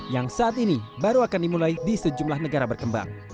yang saat ini baru akan dimulai di sejumlah negara berkembang